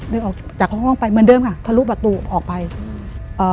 เดินออกจากห้องไปเหมือนเดิมค่ะทะลุบตัวออกไปอืม